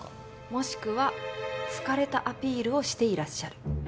もしくは疲れたアピールをしていらっしゃる。